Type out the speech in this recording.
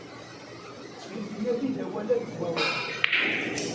Ttxil-k, nadi-d awal-a deg umawal.